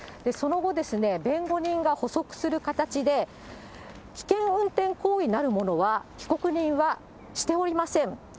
その後、弁護人が補足する形で、危険運転行為なるものは被告人はしておりません。